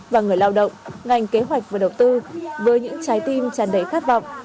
và người lao động ngành kế hoạch và đầu tư với những trái tim tràn đầy khát vọng